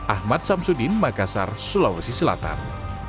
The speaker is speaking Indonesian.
ahmad samsudin makassar sulawesi selatan